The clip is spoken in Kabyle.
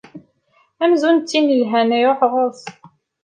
Amzun s tinn ilhan i iṛuḥ ɣer-s.